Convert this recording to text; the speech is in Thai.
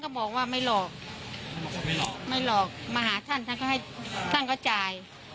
ท่านก็บอกว่าไม่หลอกมาหาท่านก็ให้ท่านก็จ่าย